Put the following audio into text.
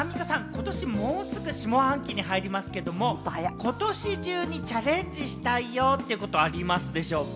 今年もうすぐ下半期に入りますけれども、ことし中にチャレンジしたいよってことありますでしょうか？